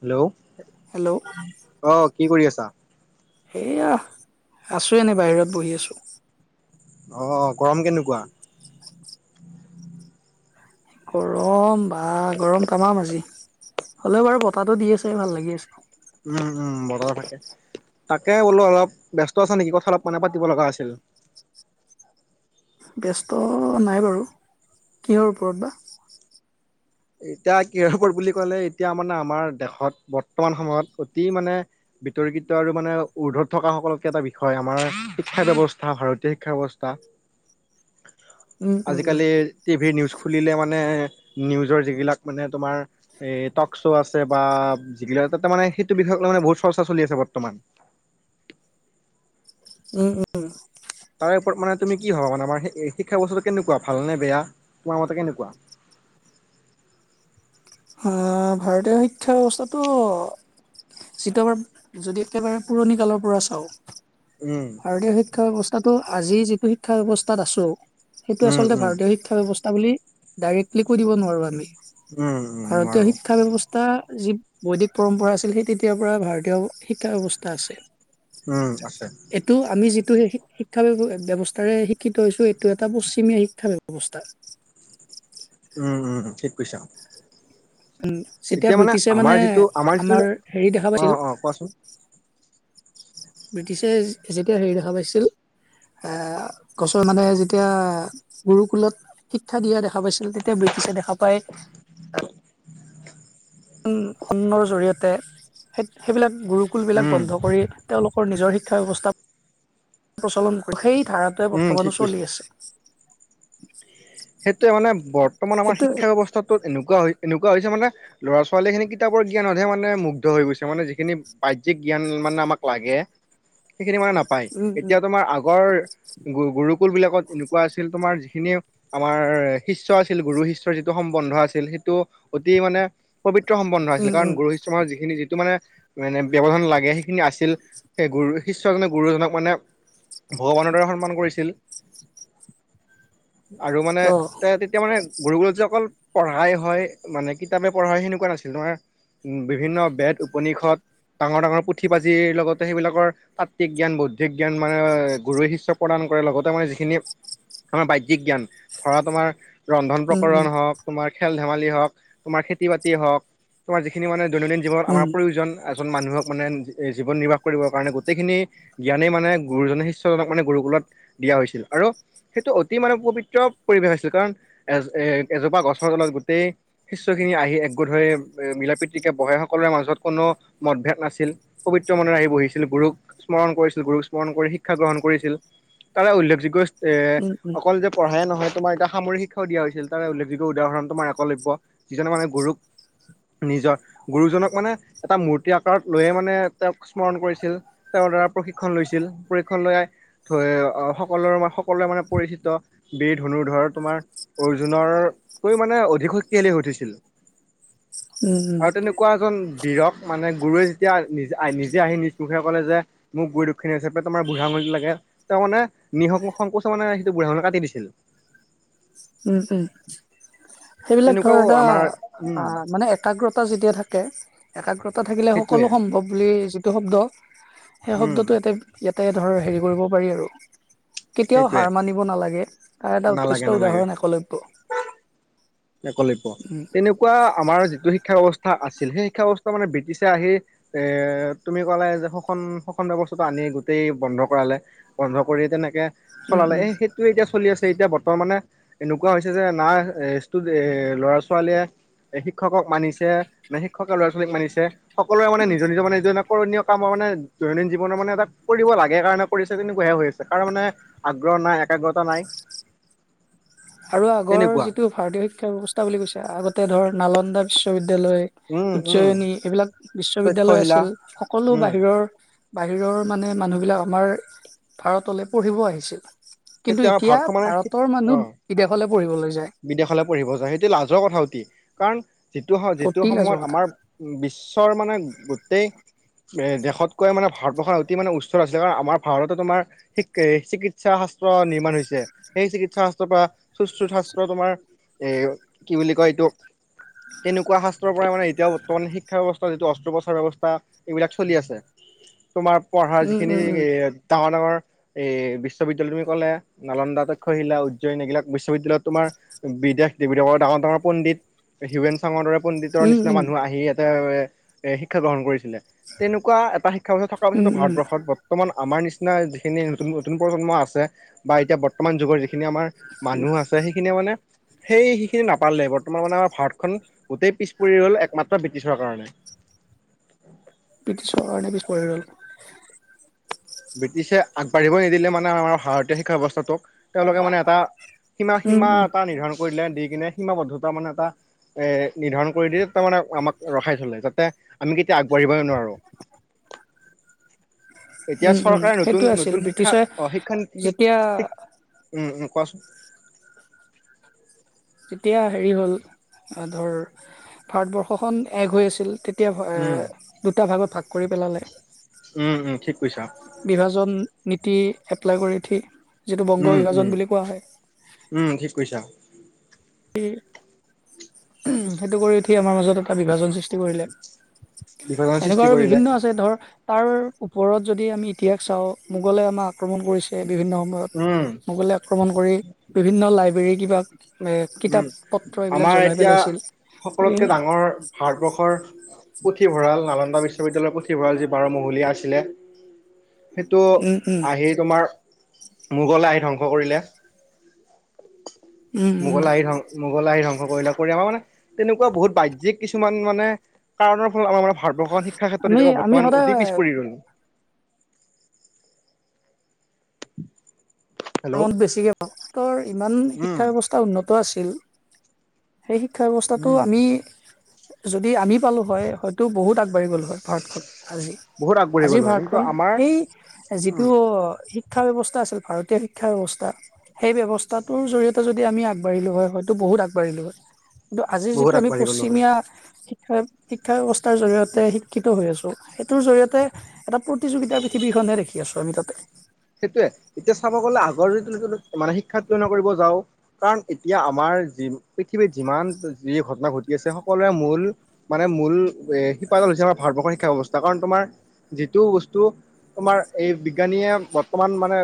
Hello, hello অ কি কৰি আছা? এইয়া আছো এনে বাহিৰত বহি আছো। অ অ গৰম কেনেকুৱা? গৰম বা গৰম তামাম আজি। হ'লেও বাৰু বতাহটো দি আছে ভাল লাগি আছে। উম উম বতাহ থাকে। তাকে বোলো অলপ ব্যস্ত আছা নেকি কথা অলপ মানে পাতিব লগা আছিল। ব্যস্ত নাই বাৰু কিহৰ ওপৰত বা এতিয়া কি বুলি কলে এতিয়া মানে আমাৰ দেশত বৰ্তমান সময়ত অতি মানে বিতৰ্কিত আৰু মানে উৰ্ধত থকা সকলতকে এটা বিষয় আমাৰ শিক্ষা ব্যৱস্থা ভাৰতীয় শিক্ষা ব্যৱস্থা। উম উম উম আজিকালি টিভিৰ নিউজ খুলিলে মানে নিউজৰ যিবিলাক মানে তোমাৰ টক শ্ব' আছে বা যিগিলা তাতে মানে সেইটো বিষয়কলৈ মানে বহুত চৰ্চা চলি আছে বৰ্তমান উম উম। তাৰে ওপৰত মানে তুমি কি ভাবা মানে আমাৰ শিক্ষা ব্যৱস্থাটো কেনেকুৱা ভাল নে বেয়া তোমাৰ মতে কেনেকুৱা? [inaudible] অহ ভাৰতীয় শিক্ষা ব্যৱস্থাটো যিটো আমাৰ যদি একেবাৰে পুৰণি কালৰ পৰা চাওঁ উম, ভাৰতীয় শিক্ষা ব্যৱস্থাটো আজি যিটো শিক্ষা ব্যৱস্থাত আছো সেইটো উম, আচলতে উম, ভাৰতীয় শিক্ষা ব্যৱস্থা বুলি ডাইৰেক্টলি কৈ দিব নোৱাৰো আমি উম। উম, ভাৰতীয় নোৱাৰো। শিক্ষা ব্যৱস্থা এটা যি বৈদিক পৰম্পৰা আছিল সেই তেতিয়াৰ পৰা ভাৰতীয় শিক্ষা ব্যৱস্থা উম, আছে। আছিল। এইটো আমি যিটো সেই শিক্ষাব্য ব্যৱস্থাৰে শিক্ষিত হৈছো এইটো এটা পশ্চিমীয়া শিক্ষা ব্যৱস্থা। কুচাম [unintelligible] উম যেতিয়া ব্ৰিটিছে মানে যিটো যিটো আমাৰ হেৰি দেখা পাইছিল অ', অ', কোৱাচোন? ব্ৰিটিছে যেতিয়া হেৰি দেখা পাইছিল। অহ গছৰ মানুহে যেতিয়া গুৰুকুলত শিক্ষা দিয়া দেখা পাইছিল তেতিয়া বৃতি দিছে দেখা পায়। হয়। সন্নৰ জৰিয়তে সেই সেইবিলাক গুৰুকুল বিলাক উম, বন্ধ কৰি তেওঁলোক নিজৰ শিক্ষা ব্যৱস্থা প্ৰচলন কৰ সেই ধাৰাটোৱে উম, ঠিক বৰ্তমানো কৈছা। চলি আছে। [inaudible] সেইটোয়ে মানে বৰ্তমান আমাৰ সেইটো শিক্ষা ব্যৱস্থাটোত এনেকুৱা হয়। এনেকুৱা হৈছে মানে ল'ৰা ছোৱালীখিনি কিতাপৰ জ্ঞানতহে মানে মুগ্ধ হৈ গৈছে মানে যিখিনি বাহ্যিক জ্ঞান মানে আমাক লাগে উম উম স্কুলবিলাকত এনেকুৱা আছিল তোমাৰ যিখিনি আমাৰ শিষ্য আছিল গুৰু শিষ্যৰ যিটো সম্বন্ধ আছিল সেইটো অতি মানে পবিত্ৰ সম্বন্ধ আছিল উম উম কাৰণ গুৰু শিষ্য মাজত যি খিনি যিটো মানে মানে ব্যবধান লাগে সেইখিনি আছিল সেই গুৰু শিষ্যজনে গুৰুজনক মানে। ভগৱানৰ দ্বৰে সন্মান কৰিছিল। আৰু মানে অ তে তেতিয়া মানে গুৰু গুৰুত যে অকল পঢ়াই হয় মানে কিতাপে পঢ়া হয় সেনেকুৱা নাছিল তোমাৰ উ বিভিন্ন বেদ উপনিষদ ডাঙৰ -ডাঙৰ পুথি পাঁজিৰ লগতে সেইবিলাকৰ তাত্বিক জ্ঞান ব জ্ঞান মানে গুৰুৱে শিষ্য প্ৰদান কৰে লগতে মানে যিখিনি আমাৰ ব জ জ্ঞান ধৰা তোমাৰ ৰন্ধন উম উম উম প্ৰকৰণ হওক তোমাৰ খেল ধেমালি হওক তোমাৰ খেতি বাতি হওক তোমাৰ যিখিনি মানে দৈনন্দিন জীৱন আমাৰ প্ৰয়োজন এজন মানুহক মানে জীৱন নিৰ্বাহ কৰিব কাৰণে গোটেইখিনি জ্ঞানে মানে গুৰুজনে শিষ্যজনক মানে গুৰু কুলত দিয়া হৈছিল আৰু সেইটো অ অতি মানহ পবিত্ৰ পৰিৱেশ আছিল কাৰণ এ এ এজোপা গছৰ তলত গোটেই শিষ্যখিনি আহি ধৰি মিলা পীতিকে বহাই সকলৰে মাজত কোনো মদভেদ নাছিল পবিত্ৰ মনে আহি বহিছিল। গুৰুক স্মৰণ কৰিছিল গুৰুক স্মৰণ কৰি শিক্ষা গ্ৰহণ কৰিছিল তাৰে উল্লেখযোগ্য এ উম উম অকল যে পঢ়াই নহয়। তোমাৰ এটা সামৰিক শিক্ষাও দিয়া হৈছিল তাৰে উল্লেখযোগ্যদাহৰণ তোমাৰ একলব্য যিজনে মানে গুৰুক নিজৰ গুৰুজনক মানে এটা মূৰ্তি আকাৰত লৈয়ে মানে তেওঁক স্মৰণ কৰিছিল তেওঁ পৰা প্ৰশিক্ষণ লৈছিল প্ৰশিক্ষণ লৈাই সকলোৰে সকলোৱৰে মানে বীৰ ধনুৰধৰ তোমাৰ অৰ্জুনৰকৈ মানে অধিক শক্তিশালী হৈ উঠিছিল। উম উম আৰু তেনেকুৱা এজন বীৰক মানে গৰুৱে যেতিয়া নিজ নিজে আহি নিজ মুখে ক'লে যে মোক গুৰু দক্ষিণা হিচাপে তোমাৰ বুঢ়া আঙলীটো লাগে তেওঁ মানে নিহক সংকোচ মানে সেইটো বুঢ়া মে কাটি দিছিল উম উম সেইবিলাক ধৰ তেনেকুৱাও এটা আমাৰ উম মানে একাগ্ৰতা যেতিয়া থাকে একাগ্ৰতা থাকিলে সেইটোৱে সকলো সম্ভৱ বুলি যিটো শব্দ সেই উম শব্দটো এতে ইয়াত তাতে ধৰ হেৰি কৰিব পাৰি আৰু কেতিয়াও সেইটোৱে হাৰ মানিব নালাগে তাৰ এটা উৎকৃষ্ট নালাগে উদাহৰণ একলব্য একলব্য, উম তেনেকুৱা আমাৰ যিটো শিক্ষা ব্যৱস্থাৰ শিক্ষ আছিল সেই শিক্ষা ব্যৱস্থা মানে ব্ৰিটিছে আহি এ তুমি ক'লে যে শোষণ -শোষণ ব্যৱস্থাটো আনি গোটেই বন্ধ কৰালে বন্ধ কৰি তেনেকে উম চলালে এ উম সেইটোে এতিয়া চলি আছে এতিয়া বৰ্তমানে এনেকুৱা হৈছে যে না এ এ ল'ৰা ছোৱালীয়ে এ শিক্ষকক মানিছে নে শিক্ষকে ল'ৰা ছোৱালীক মানিছে সকলোৰে মানে নিজ নিজৰ মে নিজনে কৰণীয় কামৰ মানে দৈনন্দিন জীৱনৰ মানে এটা কৰিব লাগে কাৰণে কৰিছে তেনেকুৱাহে হৈ আছে কৰোঁ মানে আগ্ৰহ নাই একাগ্ৰতা নাই আৰু আগৰ তেনেকুৱা যিটো ভাৰতীয় শিক্ষা ব্যৱস্থা বুলি কৈছে আগতে ধৰ নালন্দা বিশ্ববিদ্যালয় উম বিদ্য়ালয় উম উজ্জয়নী এইবিলাক বিশ্ববিদ্যয়ালয় তক্ষশিলা আছিল সকলো উম বাহিৰৰ বাহিৰৰ মানে মানুহবিলাক আমাৰ ভাৰতলৈ পঢ়িব আহিছিল। কিন্তু সেইটো আমাৰ এতিয়া ভাৰতখন মানে ভাৰতৰ অ মানুহ বিদেশলৈ পঢ়িবলৈ যায় বিদেশলৈ পঢ়িব যায় সেইটো লাজৰ কথা অতি কাৰণ যিটো স যিটো অতি লাজৰ সময়ত কথা। আমাৰ বিশ্বৰ মানে গোটেই এ দেশতকৈ মানে ভাৰতবৰ্ষৰ অতি মানে উচ্চ আছিলে। কাৰণ আমাৰ ভাৰতো তোমাৰ চিকিৎ শাস্ত্ৰ নিৰ্মাণ হৈছে। সেই চিকিৎসা শাস্ত্ৰ পৰা সুস্থ থ তোমাৰ কি বুলি কয় এইটো তেনেকোৱা শাস্ত্ৰৰ মানে এতিয়াও বৰ্তমান শিক্ষা ব্যৱস্থা যিটো অস্ত্ৰোপচাৰ ব্যৱস্থা এইবিলাক চলি আছে। তোমাৰ পঢ়াৰ উম, যিখিনি উম, উম, এ ডাঙৰ ৰ এই বিশ্ববিদ্যালয় তুমি ক'লা। নালন্দা, তক্ষশিলা, উজ্জয়ন এইবিলাক বিশ্ববিদ্যালয়ত তোমাৰ বিদেশ দেৱী দেৱৰ ডাঙৰ ডাঙৰ পণ্ডিত হিউৱেন চাঙৰ দৰে পণ্ডিতৰ উম, নিচিনা উম, মানুহ আহি ইয়াত এ শিক্ষা গ্ৰহণ কৰিছিলে। তেনেকুৱা এটা শিক্ষা ব্যৱস্থা থকাৰ উম, পিছতো উম, ভাৰতবৰ্ষত বৰ্তমান আমাৰ নিচিনা যিখিনি নতুন-নতুন প্ৰজন্ম আছে বা এতিয়া বৰ্তমান যুগৰ যিখিনি আমাৰ মানুহ আছে সেইখিনিয়ে মানে সেই সেইখিখিনি নাপালে। বৰ্তমান মানে আমাৰ ভাৰতখন গোটেই পিছ পৰি গ'ল। একমাত ব্ৰিটিছৰ কাৰণে। ব্ৰিটিছৰ কাৰণে পিছ পৰি ৰ'ল। ব্ৰিটিছে আগবাঢ়িব নিদিলে মানে আমাৰ ভাৰতীয় শিক্ষা ব্যৱস্থাটোক। তেওঁলোকে মানে এটা সীমা উম, সীমা উম, এটা নিৰ্ধাৰণ কৰি দিলে, দি কিনে সীমাবদ্ধতা মানে এটা এ নিৰ্ধাৰণ কৰি দিয়ে। তাৰ মানে আমাক ৰখাই থ। যাতে আমি কেতিয়া আগবাঢ়িবই নোৱাৰো। [unintelligible] এতিয়া উম, উম, চৰকাৰে সেইটোৱে আছিল নতুন-নতুন শিক্ষা ব্ৰিটিছে অ শিক্ষানীতি যেতিয়া শিক্ষা শিক-শিক উম, উম। কোৱাচোন। তেতিয়া হেৰি হ'ল ধৰ ভাৰতবৰ্ষখন এক হৈ আছিল। তেতিয়া উম দুটা ভাগত ভাগ কৰি পেলালে। উম, উম ঠিক কৈছা। বিভাজন নীতি এপ্লাই কৰি উঠি যিটো বংগ উম উম বিভাজন বুলি কোৱা হয়। উম ঠিক কৈছা স সেইটো কৰি উঠি আমাৰ মাজত এটা বিভাজন সৃষ্টি কৰিলে। বিভাজনৰ এনেকুৱা সৃষ্টি আৰু কৰিলে বিভিন্ন আছে। ধৰ তাৰ ওপৰত যদি আমি ইতিহাস চাওঁ। মোগলে আমাক আক্ৰমণ কৰিছে বিভিন্ন সময়ত উম মোগলে আক্ৰমণ কৰি বিভিন্ন লাইব্ৰেৰী কিবা উম, কিতাপ পত্ৰ এইবিলাক আমাৰ জ্বলাই এতিয়া পেলাইছিল সকলোতকে ডাঙৰ ভাৰতবৰ্ষৰ পুথিভঁৰাল নালন্দা বিশ্ব বিশ্ববিদ্যালয়ৰ পুথিভঁৰাল যি বাৰমহলীয়া আছিলে, সেইটো উম উম আহি তোমাৰ মোগল আহি ধ্বংস কৰিলে। উম উম মোগল আহি ধ, মোগল আহি ধং কৰি আমাৰ মানে তেনেকুৱা বহুত বাহ্যিক কিছুমান মানে কাৰণৰ আমাৰ [unintelligible] ভাৰতবৰ্ষখন শিক্ষা ক্ষেত্ৰত আমি এতিয়া আমি বৰ্তমান অতি পিছ সদায় পৰি ৰল। ত হেল্ল' বেছিকৈ ভৰ ইমান উম শিক্ষা ব্যৱস্থা উন্নত আছিল। সেই শিক্ষা ব্যৱস্থাটো উম আমি যদি আমি পালোঁ হয় হয়তো বহুত আগবাঢ়ি গ'লো হয়। ভাৰতখন আজি বহুত আগবাঢ়ি আজিৰ গ'লো হয় কিন্তু ভাৰতখন আমাৰ সেই যিটো শিক শিক্ষা ব্যৱস্থা আছিল। ভাৰতীয় শিক শিক্ষা ব্যৱস্থা সেই ব্যৱস্থাটোৰ জৰিয়তে যদি আমি আগবাঢ়িলোঁ হয়, হয়তো বহুত আগবাঢ়িলোঁ হয়। কিন্তু আজি যিটো বহুত আমি আগবাঢ়ি গ'লো হয় পশ্চিমীয়া শিক শিক্ষা ব্যৱস্থা জৰিয়তে শিক্ষিত হৈ আছো, সেইটোৰ জৰিয়তে এটা প্ৰতিযোগিতাৰ পৃথিৱীখনে দেখি আছো আমি তাতে। সেইটোয়ে এতিয়া চাব গ'লে মানে শিক্ষা [unintelligible] কৰিব যাওঁ কাৰণ এতিয়া আমাৰ যি পৃথিৱীত যিমান [unintelligible] যি ঘটনা ঘটি আছে সকলোৰে মূল মানে মূল শিপাডাল হৈছে আমাৰ ভাৰতবৰ্ষৰ শিক্ষা ব্যৱস্থা। কাৰণ তোমাৰ যিটো বস্তু তোমাৰ এই বিজ্ঞানীয়ে অকমান মানে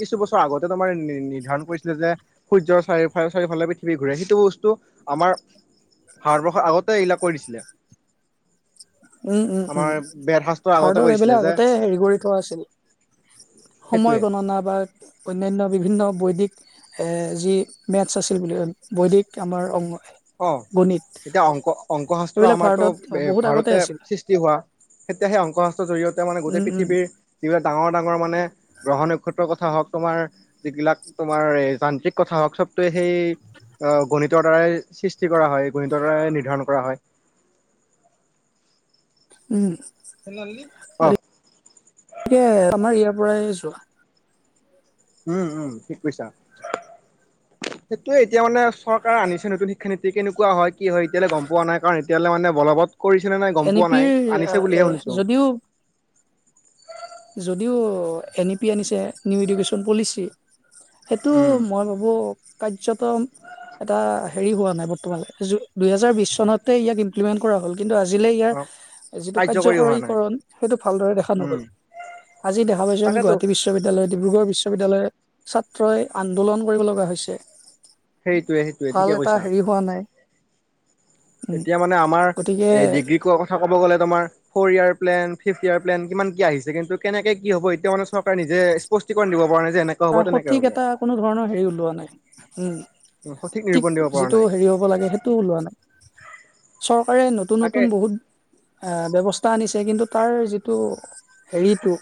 কিছু বছৰ আগতে তোমাৰ নিৰ্ধাৰণ কৰিছিলে যে সূৰ্যৰ চাৰিওফালে চাৰিওফালে পৃথিৱী সিটো বস্তু আমাৰ ভাৰতবৰ্ষৰ আগতে এইবিলাক কৰি দিছিলে। উম উম উম আমাৰ বৰ শাস্ত্ৰৰ আগতে ভাৰতত কৰিছিলে এইবিলাক যে আগতে হেৰি কৰি থোৱা আছিল [inaudible] সময় গণনা বা অনান্য বি ন বৈদিক এ যি মেথছ আছিল বুলি বৈদিক আমাৰ অংগ। অ, এতিয়া অংকঅংক শাস্ত্ৰ এইবিলাক আমাৰতো ভাৰতত এ বহুত ভাৰত আগতে আছিল সৃষ্টি হোৱা তেতিয়া সেই অংক শাস্ত্ৰৰ জৰিয়তে মানে উম গোটেই উম পৃথিৱীৰ বিলাক ডাঙৰ ডাঙৰ মানে গ্ৰহ নক্ষত্ৰৰ কথা কথা হওক তোমাৰ যিবিলাক তোমাৰ যান্ত্ৰিক কথা হওক চবটোৱে সেই অ গণিতৰ দ্বাৰাই সৃষ্টি কৰা হয় গণিতৰ দাৰাই নিৰ্ধাৰণ কৰা হয়। উম [unintelligible] অ পৰাই আহিছো উম উম ঠিক কৈছা সেইটোয়ে এতিয়া মানে চৰকাৰে আনিছে নতুন শিক্ষানীতি কেনেকুৱা হয় কি হয় এতিয়ালৈ গম পোৱাাই কাৰণ এতিয়ালৈ মানে বলবৎ কৰিছেনে নাই গম এন ই পোৱা পিৰ নাই আনিছে বুলিহে শুনিছো। যদিও যদিও এন ই পি আনিছে নিউ এডুকেশ্যন পলিচি সেইটো উম মই ভাবো কাৰ্যতম এটা হেৰি হোৱা নাই বৰ্তমান দুহেজাৰ বিশ চনতে ইয়াক ইমপ্লিমেন্ট কৰা হ'ল। কিন্তু আজিলে ইয়াৰ অ যিটো কাৰ্যকৰী হোৱা নাই কাৰ্যকৰীকৰণ সেইটো ভালদৰে দেখা উম নগ'ল। আজি দেখা পাইছো আম তাকেতো গুৱাহাটী বিশ্ববিদ্যালয়। ডিব্ৰুগড় বিশ্ববিদ্যালয়ৰ ছাত্ৰই আন্দোলন কৰিব লগা হৈছে। সেইটোৱে সেইটোৱে ভাল ঠিকে এটা কৈছা হেৰি হোৱা নাই। উম এতিয়া মানে আমাৰ গতিকে এই ডিগ্ৰী কোৱা কথা ক'ব গ'লে কৰী য়াৰ প্লেন ইয়াৰ প্লেন কিমান কি আহিছে কিন্তু কেনেকে কি হ'ব এতিয়া মানে চৰকাৰে নিজেষ্ট দিব পৰা নাই যে এনেকে হ'ব তাৰ তেনেকে সঠিক হ'ব এটা কোনো ধৰণৰ হেৰি ওলোৱা নাই উম সঠিক ঠিক নিৰূপণ দিব পৰা যিটো নাই হেৰি হ'ব লাগে সেইটো ওলোৱা নাই? চৰকাৰে নতুন তাকে নতুন বহুত ব্যৱস্থা আনিছে কিন্তু তাৰ যিটো হেৰিটো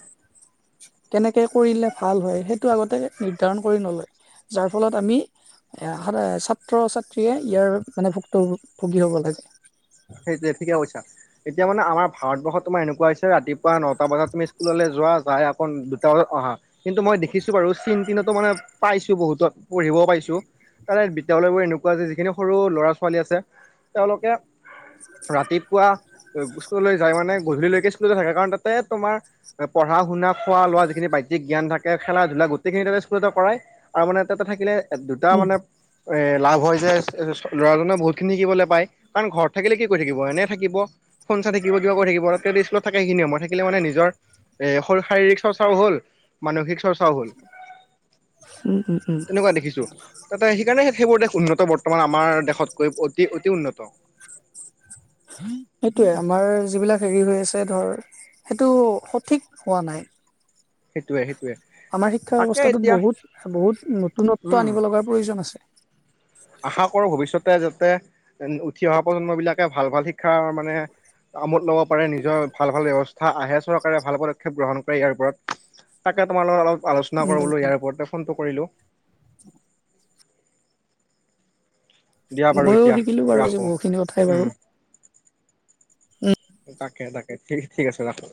কেনেকে কৰিলে ভাল হয় সেইটো আগতে নিৰ্ধাৰণ কৰি নলয় যাৰ ফলত আমি এ ছাত্ৰ ছাত্ৰীয়ে ইয়াৰ মানে ভক্ত ভুগী হব লাগে। সেইটোয়ে ঠিকে কৈছা এতিয়া মানে আমাৰ ভাৰতৰত তোমাৰ এনেকুৱা হৈছে ৰাতিপুৱা নটা বজাত তুমি স্কুললৈ যোৱা যাই অকণ দুটা অহা কিন্তু মই দেখিছো বাৰু চীন তিনটো পাইছো বহুতত। পঢ়িব পাৰিছো ত বিদ্যালয়বোৰে এনেকুৱা যে যিখিনি সৰু ল'ৰা ছোৱালী আছে তেওঁলোকে ৰাতিপুৱা স্কুললৈ যায় মানে গধূলিলৈকে স্কুল থাকে কাৰণ তাতে তোমাৰ পঢ়া শুনা খোৱা লোৱা যিখিনি বাহ্যিক জ্ঞান থাকে খেলা ধূলা গোটেইখিনি তাতে স্কুলতে কৰাই আৰু মানে তাতে থাকিলে দুটা উম মানে এ লাভ হয় যে ল'ৰাজনে বহুতখিনি শিকিবলৈ পায় কাৰণ ঘৰত থাকিলে কি কৰি থাকিব এনে থাকিব ফোন চাই থাকিব কিবা কৰি থাকিব স্কুলত থাকে সেইখিনি সময় থাকিলে মানে নিজৰ এ শ শাৰীৰিক চৰ্চাও হল মানসিক চৰ্চাও হ'ল উম উম উম তেনেকুৱা দেখিছো তাতে সেইকাৰণে সেইবোৰ দেশ উন্নত বৰ্তমান আমাৰ দেশতকৈ অতি অতি উন্নত সেইটোয়ে আমাৰ যিবিলাক হেৰি হৈ আছে ধৰ সেইটো সঠিক হোৱা নাই সেইটোৱে আমাৰ শিক্ষা ব্যৱস্থাটোত বহুত বহুত নতুনত্ব উম আনিব লগাৰ প্ৰয়োজন আছে আশা কৰো ভৱিষ্যতে যাতে উঠি অহা প্ৰজন্ম বিলাকে ভাল ভাল শিক্ষাৰ মানে [unintelligible] নিজৰ ভাল ভাল ব্যৱস্থা আহে চৰকাৰে ভাল পদক্ষেপ গ্ৰহণ কৰে ইয়াৰ ওপৰত তাকে তোমালগত অলপ আলোচনা কৰিবলৈ উম ইয়াৰ ওপৰতে ফোনটো কৰিলোঁ [inaudible] দিয়া বাৰু ময়ো এতিয়া শিকিলো বাৰু আজি ৰাখোঁ বহুতখিনি কথাই উম বাৰু উম তাকে তাকে ঠিক আছে ৰাখো